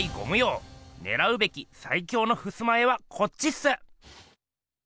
ねらうべきさい強のふすま絵はこっちっす！